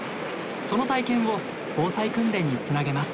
その体験を防災訓練につなげます。